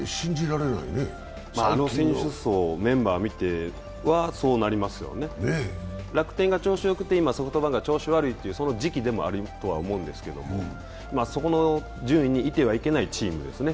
あの選手層、メンバー見てはそうなりますよね、楽天が調子よくてソフトバンクが調子悪い、その時期でもあるとは思うんですけど、そこの順位にいてはいけないチームですね